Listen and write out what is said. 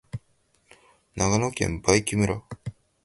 長野県売木村